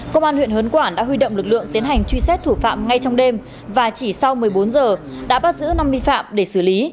công an huyện hớn quản đã huy động lực lượng tiến hành truy xét thủ phạm ngay trong đêm và chỉ sau một mươi bốn giờ đã bắt giữ năm nghi phạm để xử lý